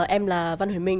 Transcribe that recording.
em là văn huỳnh minh